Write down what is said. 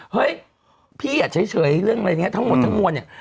เฮ้ยพี่อย่าเฉยเรื่องอะไรเงี้ยทั้งมวลทั้งมวลเนี่ย